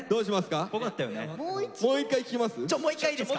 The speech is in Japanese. もう一回聴きます？